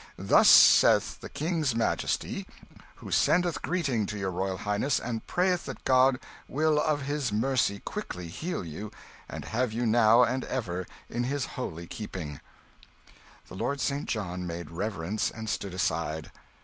Thus saith the King's majesty, who sendeth greeting to your royal highness, and prayeth that God will of His mercy quickly heal you and have you now and ever in His holy keeping." The Lord St. John made reverence and stood aside.